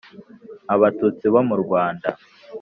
abatutsi bo mu rwanda,